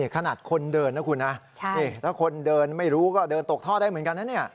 ขนาดคนเดินนะคุณนะถ้าคนเดินไม่รู้ก็เดินตกท่อได้เหมือนกันนะเนี่ย